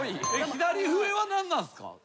左上は何なんすか？